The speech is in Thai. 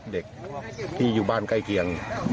เด็กที่อยู่บ้านใกล้เคียง